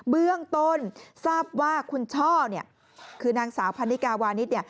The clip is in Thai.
เบื้องต้นทราบว่าคุณช่อคือนางสาวพันนิกาวานิส